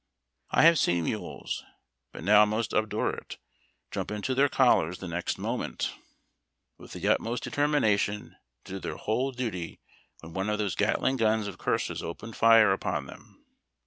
I have seen mules, but now most obdurate, jump into their collars the next moment 286 HA ED TACK AND COFFEE. with the utmost determination to do their whole duty when one of these Gatling guns of curses opened fire upon them.